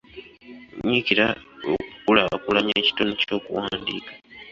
Nyiikira okukulaakulanya ekitone ky'okuwandiika.